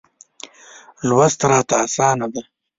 لوست راته اسانه دی.